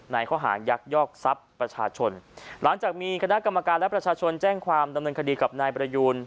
ข้อหายักยอกทรัพย์ประชาชนหลังจากมีคณะกรรมการและประชาชนแจ้งความดำเนินคดีกับนายประยูน